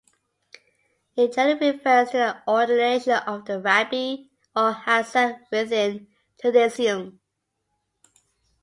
It generally refers to the ordination of a rabbi or hazzan within Judaism.